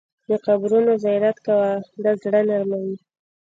د قبرونو زیارت کوه، دا زړه نرموي.